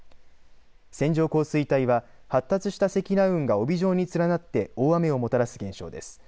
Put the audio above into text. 線状降水帯は発達した積乱雲が帯状に連なって大雨をもたらす現象です。